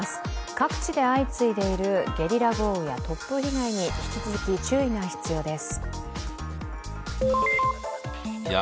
各地で相次いでいるゲリラ豪雨や突風被害に引き続き注意が必要です。